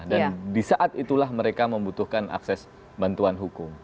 dan di saat itulah mereka membutuhkan akses bantuan hukum